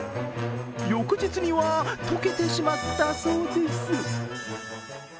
翌日には解けてしまったそうです。